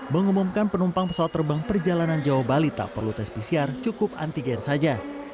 mengumumkan penumpang pesawat terbang perjalanan jawa bali tak perlu tes pcr cukup antigen saja